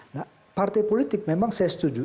nah partai politik memang saya setuju